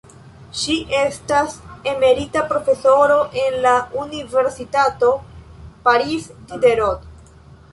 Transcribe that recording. Ŝi estas emerita profesoro en la Universitato Paris Diderot.